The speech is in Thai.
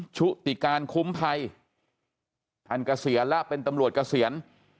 ชุติการคุ้มภัยท่านเกษียณแล้วเป็นตำรวจเกษียณ